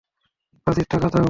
বাজির টাকা দাও!